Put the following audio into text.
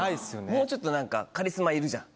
もうちょっとなんか、カリスマいるじゃん。